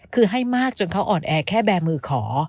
คือให้มากจนเขาอ่อนแอแค่แบร์มือขอ